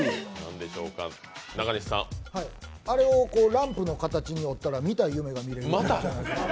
あれをランプの形に折ったら見たい夢が見れる。